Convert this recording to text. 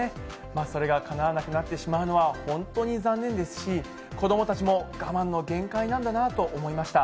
それがかなわなくなってしまうのは本当に残念ですし、子どもたちも我慢の限界なんだなと思いました。